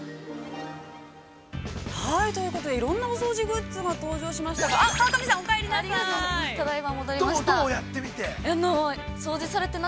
◆ということで、いろんなお掃除グッズが登場しましたが、川上さん、お帰りなさい。